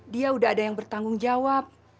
dia udah ada yang bertanggung jawab